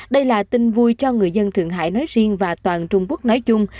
đây là tin vui cho người dân thượng hải nói riêng và toàn trung quốc nói chung